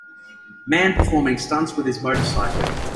Man performing stunts with his motorcycle.